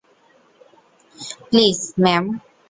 Please, ma'am.